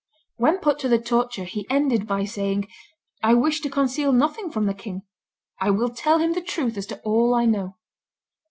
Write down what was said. When put to the torture he ended by saying, "I wish to conceal nothing from the king; I will tell him the truth as to all I know."